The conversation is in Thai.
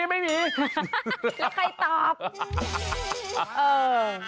แล้วใครตอบ